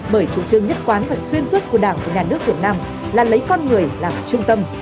bởi chủ trương nhất quán và xuyên suốt của đảng và nhà nước việt nam là lấy con người làm trung tâm